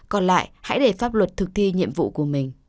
còn lại hãy để pháp luật thực thi nhiệm vụ của mình